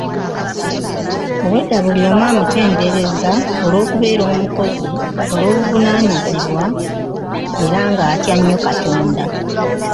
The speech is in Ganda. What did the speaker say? Obwedda buli omu amutendereza olw'okubeera omukozi, ow'obuvunaanyizibwa era atya ennyo Katonda.